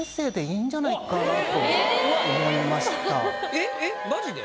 えっえっまじで？